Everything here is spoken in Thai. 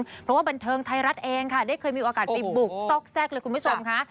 เพราะว่าบันเทิงไทยรัฐเองค่ะได้เคยมีโอกาสไปบุกซอกแทรกเลยคุณผู้ชมค่ะ